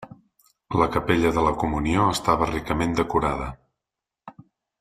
La capella de la Comunió estava ricament decorada.